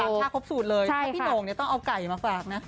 สามชาติครอบสูตรเลยพี่น้องต้องเอาไก่มาฝากนะ